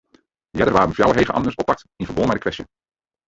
Earder waarden fjouwer hege amtners oppakt yn ferbân mei de kwestje.